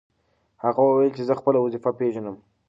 هغه وویل چې زه خپله وظیفه پېژنم.